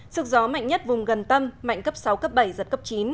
sức gió mạnh nhất vùng gần tâm mạnh cấp sáu cấp bảy giật cấp chín